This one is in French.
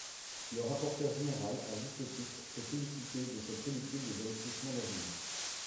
Le rapporteur général, à juste titre, s’est félicité de cette politique des investissements d’avenir.